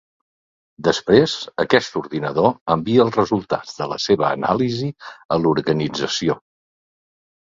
Després, aquest ordinador envia els resultats de la seva anàlisi a l'organització.